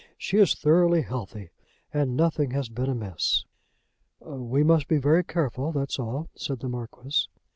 "She is thoroughly healthy, and nothing has been amiss." "We must be very careful that's all," said the Marquis.